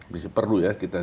prinsip perlu ya kita